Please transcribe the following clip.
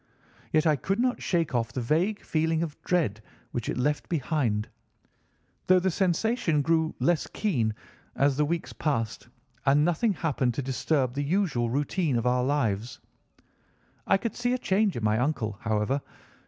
Yet I could not shake off the vague feeling of dread which it left behind, though the sensation grew less keen as the weeks passed and nothing happened to disturb the usual routine of our lives. I could see a change in my uncle, however.